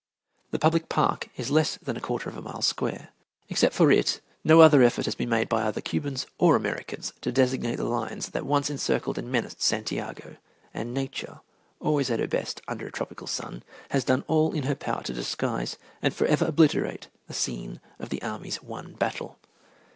The public park is less than a quarter of a mile square. Except for it no other effort has been made either by Cubans or Americans to designate the lines that once encircled and menaced Santiago, and Nature, always at her best under a tropical sun, has done all in her power to disguise and forever obliterate the scene of the army's one battle.